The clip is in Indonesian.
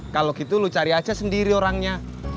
kalau gitu lu cari aja sendiri orangnya